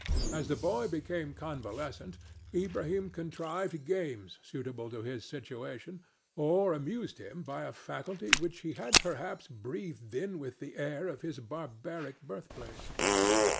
As the boy became convalescent Ilbrahim contrived games suitable to his situation or amused him by a faculty which he had perhaps breathed in with the air of his barbaric birthplace.